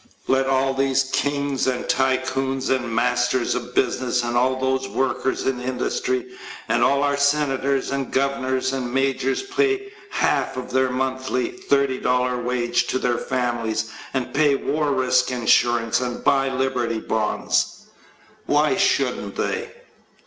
Let all these kings and tycoons and masters of business and all those workers in industry and all our senators and governors and majors pay half of their monthly $30 wage to their families and pay war risk insurance and buy Liberty Bonds. Why shouldn't they?